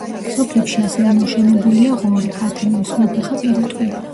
სოფლებში ასევე მოშენებულია ღორი, ქათამი, მსხვილფეხა პირუტყვი.